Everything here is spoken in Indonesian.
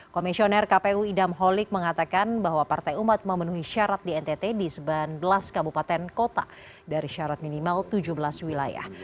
komisioner kpu idam holik mengatakan bahwa partai umat memenuhi syarat di ntt di sembilan belas kabupaten kota dari syarat minimal tujuh belas wilayah